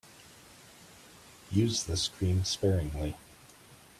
Use this cream sparingly.